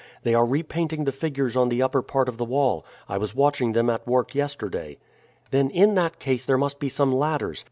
"They are repainting the figures on the upper part of the wall. I was watching them at work yesterday." "Then in that case there must be some ladders.